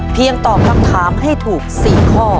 เพียงตอบคำถามให้ถูก๔ข้อ